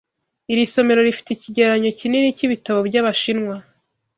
Iri somero rifite icyegeranyo kinini cyibitabo byabashinwa.